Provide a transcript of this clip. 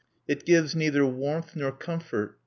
It gives neither warmth nor comfort.